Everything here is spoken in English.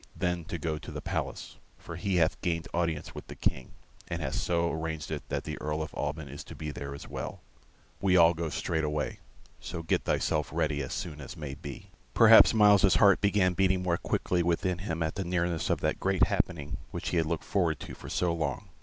Then to go to the palace, for he hath gained audience with the King, and hath so arranged it that the Earl of Alban is to be there as well. We all go straightway; so get thyself ready as soon as may be." Perhaps Myles's heart began beating more quickly within him at the nearness of that great happening which he had looked forward to for so long.